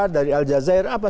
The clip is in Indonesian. dari al jazeera apa